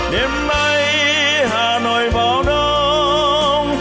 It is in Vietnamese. đêm nay hà nội vào đông